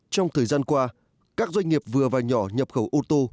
trong thời gian qua các doanh nghiệp vừa và nhỏ nhập khẩu ô tô